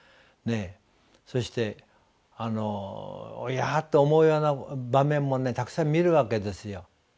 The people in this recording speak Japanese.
そしておや？と思うような場面もたくさん見るわけですよ。